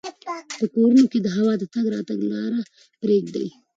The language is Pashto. په کورونو کې د هوا د تګ راتګ لاره پریږدئ.